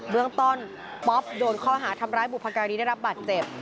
เรื่องต้นป๊อปโดนข้อหาทำร้ายบุพการีได้รับบาดเจ็บ